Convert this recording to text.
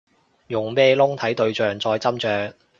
用咩窿睇對象再斟酌